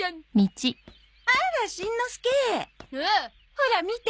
ほら見て？